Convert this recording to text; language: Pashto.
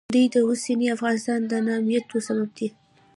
دوی د اوسني افغانستان د ناامنیو سبب دي